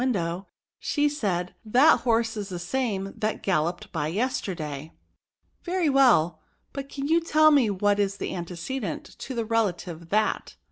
199 window^ she said^ '^ that horse is the same that gaUopped by yesterday." " Very well ; but can you tell me what is the antecedent to the relative that